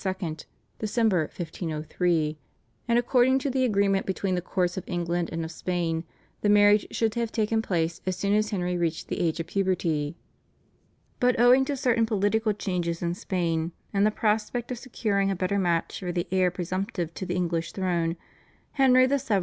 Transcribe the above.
(December 1503), and according to the agreement between the courts of England and of Spain, the marriage should have taken place as soon as Henry reached the age of puberty; but owing to certain political changes in Spain, and the prospect of securing a better match for the heir presumptive to the English throne, Henry VII.